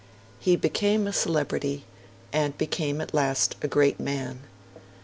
He became a celebrity; he became at last a great man.